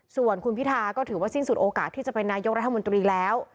ส่วนคุณพิธาก็ถือว่าสิ้นสุดโอกาสที่จะเป็นนายกรัฐมนตรีแล้ว